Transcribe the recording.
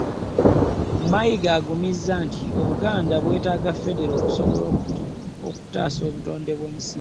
Mayiga aggumizza nti obuganda bwetaaga ffedero okusobola okutaasa obutonde bw'ensi